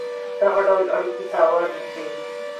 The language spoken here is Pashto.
دغه ډول اړېکي تاوان رسوي.